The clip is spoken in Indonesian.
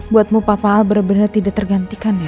buatmu papa al berat berat tidak tergantikan ya